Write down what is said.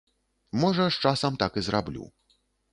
Можа, з часам так і зраблю.